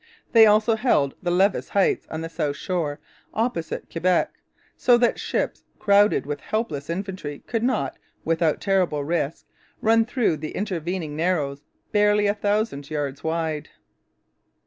They also held the Levis Heights on the south shore, opposite Quebec, so that ships crowded with helpless infantry could not, without terrible risk, run through the intervening narrows, barely a thousand yards wide.